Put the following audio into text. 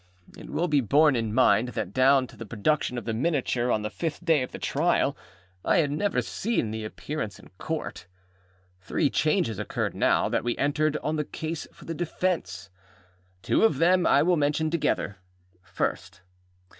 It will be borne in mind that down to the production of the miniature, on the fifth day of the trial, I had never seen the Appearance in Court. Three changes occurred now that we entered on the case for the defence. Two of them I will mention together, first.